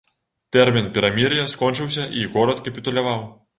Тэрмін перамір'я скончыўся, і горад капітуляваў.